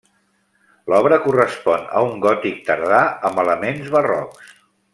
L'obra correspon a un gòtic tardà amb elements barrocs.